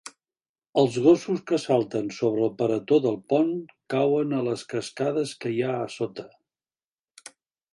Els gossos que salten sobre el paretó del pont cauen a les cascades que hi ha a sota.